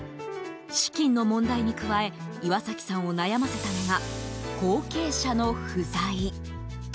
資金の問題に加え岩崎さんを悩ませたのが後継者の不在。